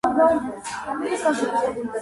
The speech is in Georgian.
არსებობს საერთაშორისო აეროპორტი.